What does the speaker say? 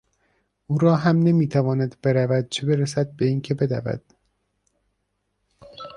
او راه هم نمیتواند برود چه برسد به اینکه بدود!